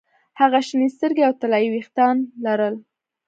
هغې شنې سترګې او طلايي ویښتان لرل